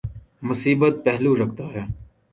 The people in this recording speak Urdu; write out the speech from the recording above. مثبت پہلو رکھتا ہے۔